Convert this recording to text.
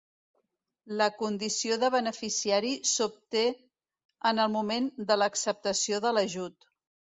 La condició de beneficiari s'obté en el moment de l'acceptació de l'ajut.